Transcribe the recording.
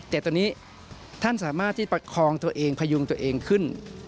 แต่ตอนนี้ท่านสามารถที่ประคองตัวเองพยุงตัวเองขึ้น